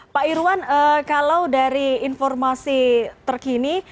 pak irwan kalau dari informasi terkini